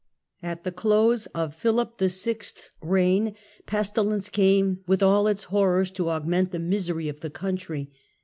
At the close of Philip VI. 's reign pestilence came with all its horrors to augment the misery of the country.